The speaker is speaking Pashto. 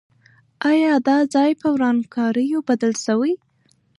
آیا دا ځای په ورانکاریو بدل سوی؟